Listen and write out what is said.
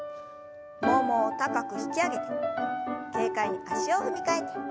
ももを高く引き上げて軽快に足を踏み替えて。